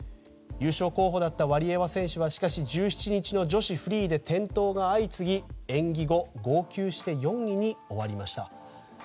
優勝候補だったワリエワ選手はしかし、１７日の女子フリーで転倒が相次ぎ演技後、号泣して４位に終わりました。